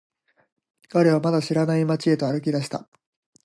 彼はまだ知らない街へと歩き出した。